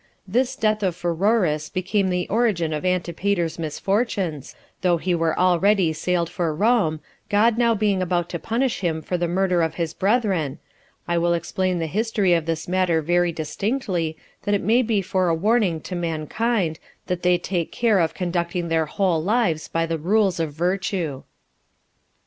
This [death of Pheroras] became the origin of Antipater's misfortunes, although he were already sailed for Rome, God now being about to punish him for the murder of his brethren, I will explain the history of this matter very distinctly, that it may be for a warning to mankind, that they take care of conducting their whole lives by the rules of virtue.